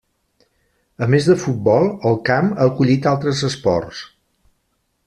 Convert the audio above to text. A més de futbol, el camp ha acollit altres esports.